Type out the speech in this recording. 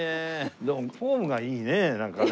でもフォームがいいねなんかね。